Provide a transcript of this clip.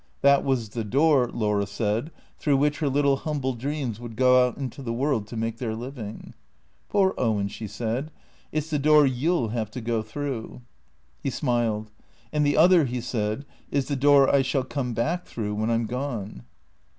That was the door, Laura said, through which her little humble dreams would go out into the world to make their living. " Poor Owen," she said, " it 's the door you '11 have to go through." He smiled. " And the other," he said, " is the door I shall come back through when I 'm gone."